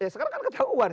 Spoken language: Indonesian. sekarang kan ketahuan